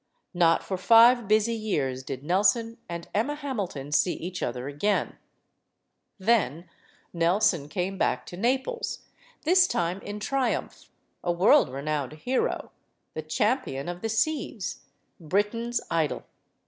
Not for five busy years did Nelson and Emma Ham ilton see each other again. 264 STORIES OF THE SUPER WOMEN Then Nelson came back to Naples, this time in triumph a world renowned hero, the champion of the seas, Britain's idol.